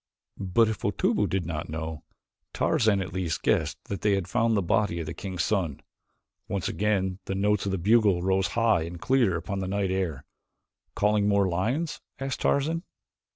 But if Otobu did not know, Tarzan at least guessed that they had found the body of the king's son. Once again the notes of the bugle rose high and clear upon the night air. "Calling more lions?" asked Tarzan.